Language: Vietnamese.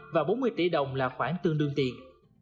và bốn mươi tỷ đồng là khoảng tương đương tiền